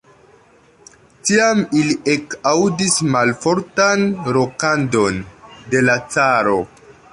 Tiam ili ekaŭdis malfortan ronkadon de la caro.